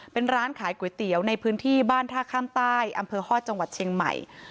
เป็นร้านขายก๋วยเตี๋ยวในพื้นที่บ้านท่าข้ามใต้อำเภอฮอตจังหวัดเชียงใหม่